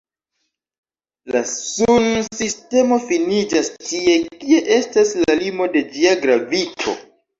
La Sunsistemo finiĝas tie, kie estas la limo de ĝia gravito.